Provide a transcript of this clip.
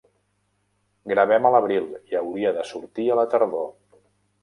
Gravem a l'abril, i hauria de sortir a la tardor.